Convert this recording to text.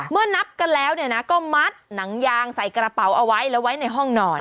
นับกันแล้วก็มัดหนังยางใส่กระเป๋าเอาไว้แล้วไว้ในห้องนอน